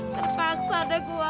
terpaksa ada gua